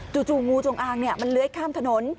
จู่งูจงอ้างเนี่ยมันเล้ยข้ามถนน